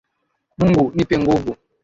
Mungu nipe nguvu.